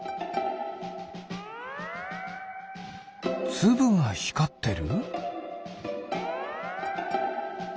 つぶがひかってる？